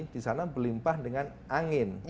di sana berlimpah dengan angin dan air